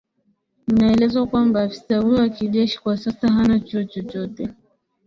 inaelezwa kwamba afisa huyo wa kijeshi kwa sasa hana chuo chochote